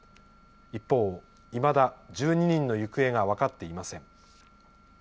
一方、いまだ１２人の行方が分かっていません。